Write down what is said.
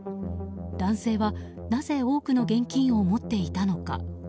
男性は、なぜ多くの現金を持っていたのか。